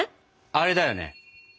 あれだよね？